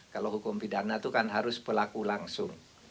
kalau hukum pidana itu kan harus pelaku langsung